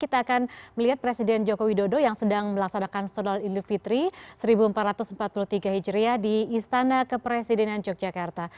kita akan melihat presiden joko widodo yang sedang melaksanakan solat idul fitri seribu empat ratus empat puluh tiga hijriah di istana kepresidenan yogyakarta